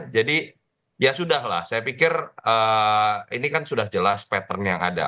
jadi ya sudah lah saya pikir ini kan sudah jelas pattern yang ada